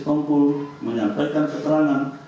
kumpul menyampaikan keterangan